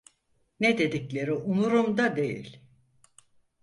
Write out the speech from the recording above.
Ne dedikleri umurumda değil.